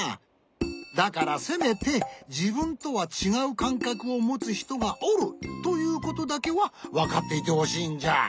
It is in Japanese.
だからせめてじぶんとはちがうかんかくをもつひとがおるということだけはわかっていてほしいんじゃ。